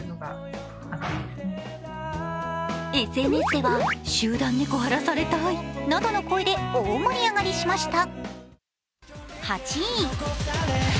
ＳＮＳでは、集団ネコハラされたいなどの声で大盛り上がりしました。